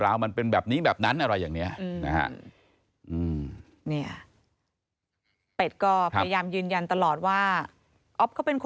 และก็จะรับความจริงของตัวเอง